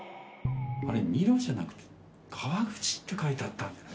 あれミロじゃなくて川口って書いてあったんじゃない？